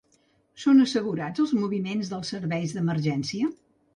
Són assegurats els moviments dels serveis d’emergència?